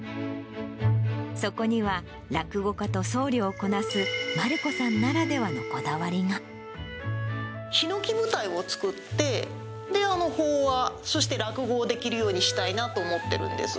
そこには、落語家と僧侶をこなす、ひのき舞台を作って、法話、そして落語をできるようにしたいなと思ってるんです。